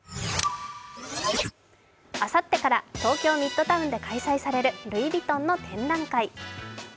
あさってから東京ミッドタウンで開催されるルイ・ヴィトンの展覧会。